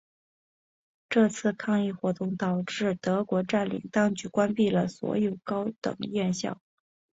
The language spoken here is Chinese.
这次抗议活动导致德国占领当局关闭了所有高等院校。